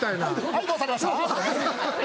「はいどうされました？」。